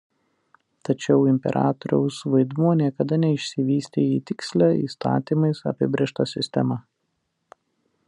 Tačiau imperatoriaus vaidmuo niekada neišsivystė į tikslią įstatymais apibrėžtą sistemą.